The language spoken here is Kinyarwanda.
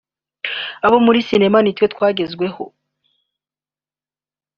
Abo muri sinema natwe twagezweho